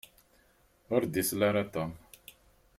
Ur d-isel ara Tom.